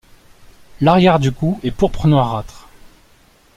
L'arrière du cou est pourpre noirâtre.